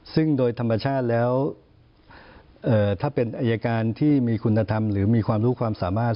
ซึ่งโดยธรรมชาติแล้วถ้าเป็นอายการที่มีคุณธรรมหรือมีความรู้ความสามารถ